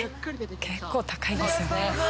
結構高いですよね。